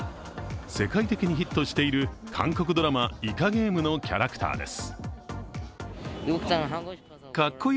世界的にヒットしている韓国ドラマ「イカゲーム」のキャラクターです。